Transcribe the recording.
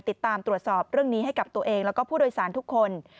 ติดตามตรวจสอบเรื่องนี้ให้กับตัวเองแล้วก็ผู้โดยสารทุกคน